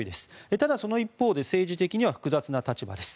ただ、その一方で政治的には複雑な立場です。